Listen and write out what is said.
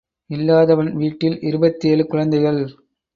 இல்லாதவன் வீட்டில் இருபத்தேழு குழந்தைகள்.